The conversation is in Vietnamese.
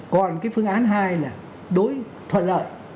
còn cái phương án hai là đối thuận lợi